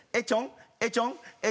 えっちょんえっ